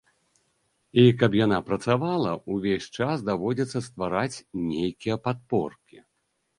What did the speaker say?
І каб яна працавала, увесь час даводзіцца ствараць нейкія падпоркі.